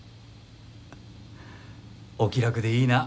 フッお気楽でいいな。